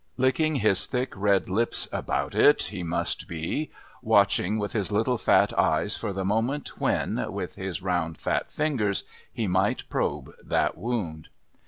Licking his thick red lips about it, he must be, watching with his little fat eyes for the moment when, with his round fat fingers, he might probe that wound.